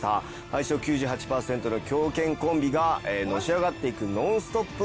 相性９８パーセントの狂犬コンビがのし上がっていくノンストップ